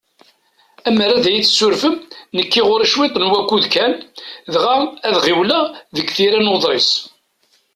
Ammer ad yi-tsurfem, nekki ɣur-i ciṭ n wakud kan, dɣa ad ɣiwleɣ deg tira n uḍris.